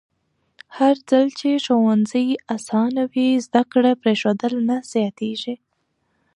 هرځل چې ښوونځي اسانه وي، زده کړه پرېښودل نه زیاتېږي.